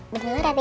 beneran ada ini